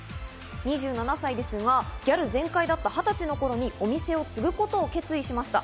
２７歳ですが、ギャル全開だった２０歳の頃にお店を継ぐことを決意しました。